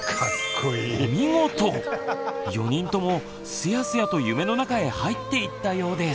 ４人ともすやすやと夢の中へ入っていったようです。